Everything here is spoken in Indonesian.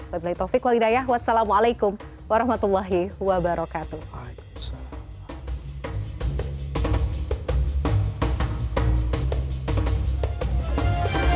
wa bila'i taufiq wa li'l dayah wassalamu'alaikum warahmatullahi wabarakatuh